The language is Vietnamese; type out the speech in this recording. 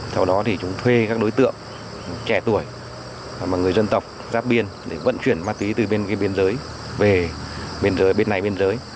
sau đó thì chúng thuê các đối tượng trẻ tuổi và người dân tộc giáp biên để vận chuyển ma túy từ bên kia biên giới về biên giới bên này bên dưới